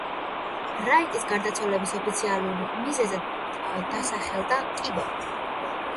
რაიტის გარდაცვალების ოფიციალურ მიზეზად დასახელდა კიბო.